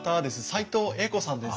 斎藤栄子さんです。